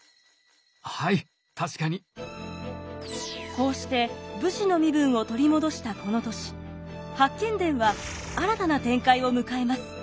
こうして武士の身分を取り戻したこの年「八犬伝」は新たな展開を迎えます。